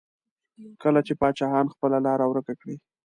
کله چې پاچاهان خپله لاره ورکه کړي.